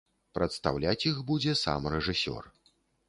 Прадстаўляць іх будзе сам рэжысёр.